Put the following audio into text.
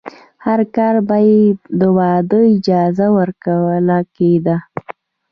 هر کال به یې د واده اجازه ورکول کېده.